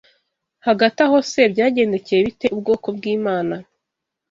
Hagati aho se byagendekeye bite ubwoko bw’Imana